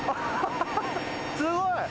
すごい。